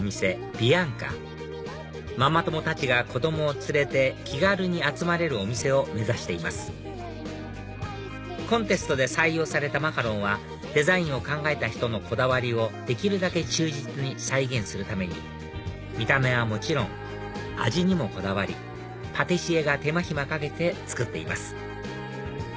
Ｂｉａｎｃａママ友たちが子供を連れて気軽に集まれるお店を目指していますコンテストで採用されたマカロンはデザインを考えた人のこだわりをできるだけ忠実に再現するために見た目はもちろん味にもこだわりパティシエが手間暇かけて作っています